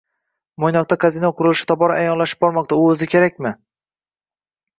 Mo‘ynoqda kazino qurilishi tobora ayonlashib bormoqda: u o‘zi kerakmi?